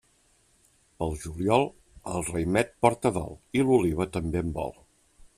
Pel juliol, el raïmet porta dol, i l'oliva també en vol.